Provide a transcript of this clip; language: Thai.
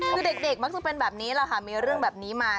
คือเด็กมักจะเป็นแบบนี้แหละค่ะมีเรื่องแบบนี้มา